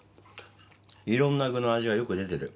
いろんな具の味がよく出てる。